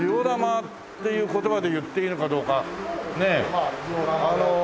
まあジオラマ。